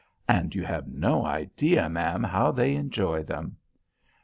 And you have no idea, ma'am, how they enjoy them."